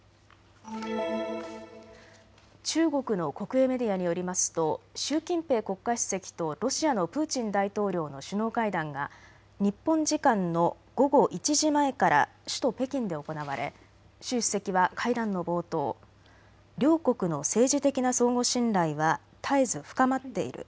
中国の国営メディアによりますと習近平国家主席とロシアのプーチン大統領の首脳会談が日本時間の午後１時前から首都・北京で行われ習主席は会談の冒頭、両国の政治的な相互信頼はたえず深まっている。